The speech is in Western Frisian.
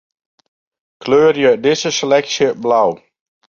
Kleurje dizze seleksje blau.